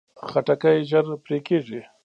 خټکی ژر پرې کېږي.